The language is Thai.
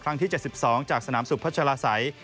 ครั้งที่๗๒จากสนามสุพัชราสัย